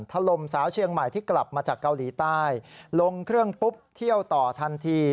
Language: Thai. ถล่มสาวเชียงใหม่ที่กลับมาจากเกาหลีใต้ลงเครื่องปุ๊บเที่ยวต่อทันที